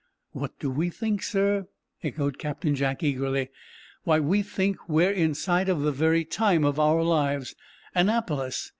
"What do we think, sir?" echoed Captain Jack, eagerly. "Why, we think we're in sight of the very time of our lives! Annapolis!